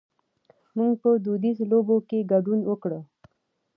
مونږ په دودیزو لوبو کې ګډون وکړ.